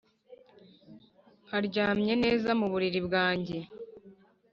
nkaryamye neza mu buriri bwanjye.